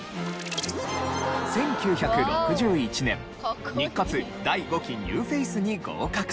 １９６１年日活第５期ニューフェイスに合格すると。